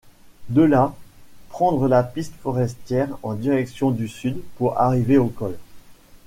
De là, prendre la piste forestière en direction du sud pour arriver au col.